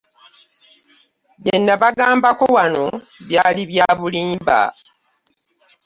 Bye nabagambako wano byali bya bulimba.